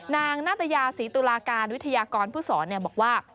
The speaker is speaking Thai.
นาตยาศรีตุลาการวิทยากรผู้สอนบอกว่า